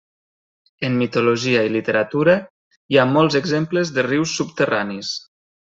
En mitologia i literatura hi ha molts exemples de rius subterranis.